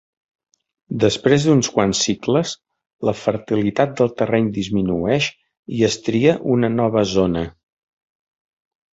Després d'uns quants cicles, la fertilitat del terreny disminueix i es tria una nova zona.